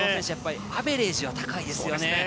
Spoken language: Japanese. アベレージは高いですよね。